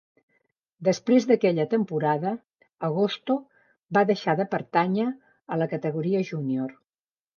Després d'aquella temporada, Agosto va deixar de pertànyer a la categoria júnior.